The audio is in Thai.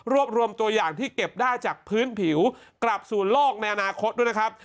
รวมตัวอย่างที่เก็บได้จากพื้นผิวกลับสู่โลกในอนาคตด้วยนะครับ